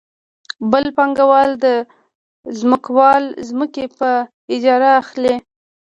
بل پانګوال د ځمکوال ځمکې په اجاره اخلي